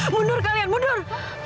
mundur kalian mundur